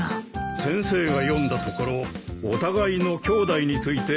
先生が読んだところお互いのきょうだいについて書いたんじゃないか？